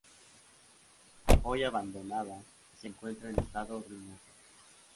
Hoy abandonada, se encuentra en estado ruinoso.